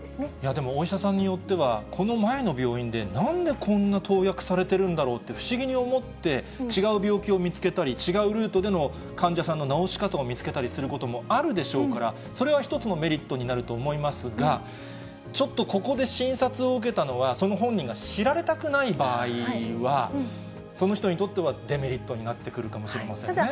でもお医者さんによっては、この前の病院でなんでこんな投薬されてるんだろうって不思議に思って、違う病気を見つけたり、違うルートでの患者さんの治し方を見つけたりすることもあるでしょうから、それは一つのメリットになると思いますが、ちょっとここで診察を受けたのは、その本人が知られたくない場合は、その人にとってはデメリットになってくるかもしれませんね。